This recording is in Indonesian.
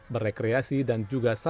berrekreasi dan berjalan jalan